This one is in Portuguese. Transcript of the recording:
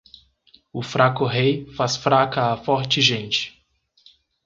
O fraco rei faz fraca a forte gente